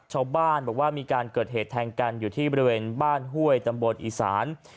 ชาวบ้านบอกว่ามีการเกิดเหตุแทงกันอยู่ที่บริเวณบ้านห้วยตำบลอีสาน